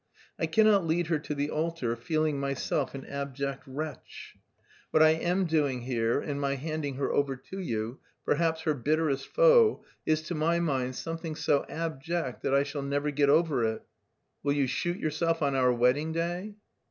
I cannot lead her to the altar feeling myself an abject wretch. What I am doing here and my handing her over to you, perhaps her bitterest foe, is to my mind something so abject that I shall never get over it." "Will you shoot yourself on our wedding day?"